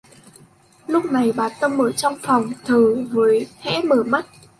Lúc này bà tâm ở trong phòng thờ với khẽ mở mắt